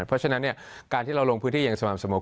เพราะฉะนั้นเนี่ยการที่เราลงพื้นที่เย็งสมามสมมุติ